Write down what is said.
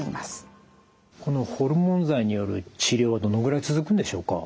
このホルモン剤による治療はどのぐらい続くんでしょうか？